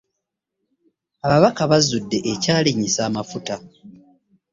Ababaka bazudde ekyalinyisa amafuta.